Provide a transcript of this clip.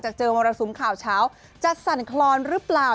เจอมรสุมข่าวเช้าจะสั่นคลอนหรือเปล่า